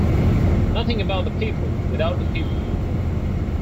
Nothing about the people without the people.